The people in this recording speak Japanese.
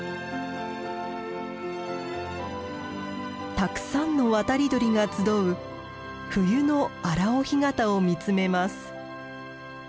たくさんの渡り鳥が集う冬の荒尾干潟を見つめます。